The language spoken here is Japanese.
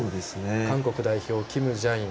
韓国代表、キム・ジャイン。